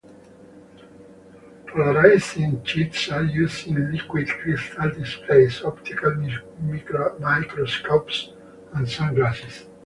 Polarizing sheets are used in liquid-crystal displays, optical microscopes and sunglasses.